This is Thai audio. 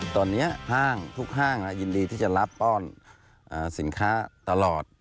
ตอนนี้ห้างทุกห้างยินดีที่จะรับป้อนสินค้าตลอด